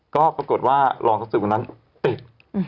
ก็ปรากฏว่ารองสวัสดิ์สืบคนนั้นติด